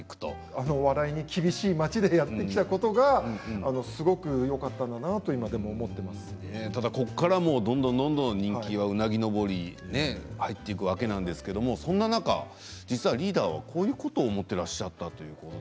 あの笑いに厳しい街でやってきたことがすごくよかったんだなって、今でもここからどんどんどんどん人気がうなぎ登りで入っていくわけですけれども、そんな中実はリーダーはこんなことを思っていらっしゃったと。